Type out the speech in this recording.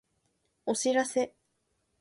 お知らせ